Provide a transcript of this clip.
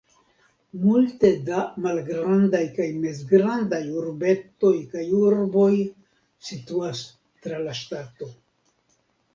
Multe da malgrandaj kaj mezgrandaj urbetoj kaj urboj situas tra la ŝtato.